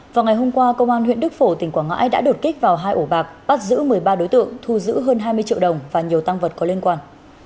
vào ngày hôm qua công an huyện đức phổ tỉnh quảng ngãi đã đột kích vào hai ổ bạc bắt giữ một mươi ba đối tượng thu giữ hơn hai mươi triệu đồng và nhiều tăng vật có liên quan